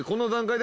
で